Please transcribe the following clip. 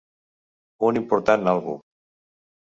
Un important àlbum.